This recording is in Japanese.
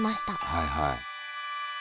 はいはい。